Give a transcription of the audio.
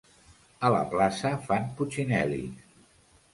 A la plaça fan putxinel·lis.